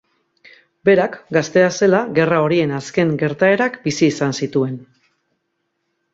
Berak, gaztea zela, gerra horien azken gertaerak bizi izan zituen.